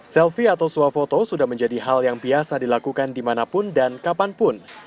selfie atau suafoto sudah menjadi hal yang biasa dilakukan dimanapun dan kapanpun